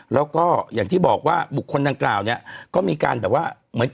แล้วก็อย่างที่บอกว่าบุคคลดังกล่าวก็มีการแบบว่า